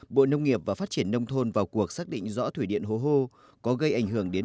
bộ nông nghiệp và phát triển nông thôn vào cuộc xác định rõ thủy điện hố hô có gây ảnh hưởng đến